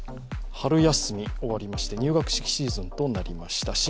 春休みが終わりまして、入学式シーズンとなりました。